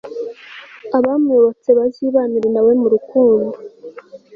abamuyobotse bazibanire na we mu rukundo